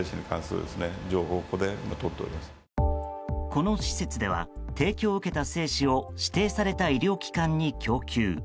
この施設では提供を受けた精子を指定された医療機関に供給。